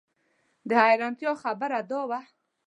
د حیرانتیا خبره دا وه.